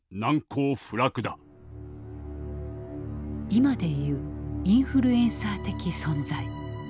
今で言うインフルエンサー的存在。